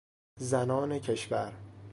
زنان کشور